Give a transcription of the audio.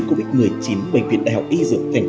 covid một mươi chín bệnh viện đạo y dưỡng tỉnh